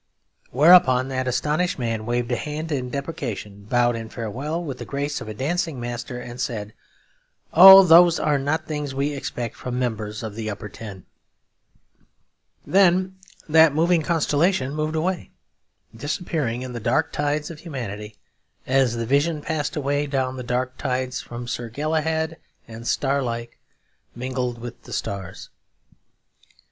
Whereupon that astonishing man waved a hand in deprecation, bowed in farewell with the grace of a dancing master; and said, 'Oh, those are not things we expect from members of the Upper Ten.' Then that moving constellation moved away, disappearing in the dark tides of humanity, as the vision passed away down the dark tides from Sir Galahad and, starlike, mingled with the stars.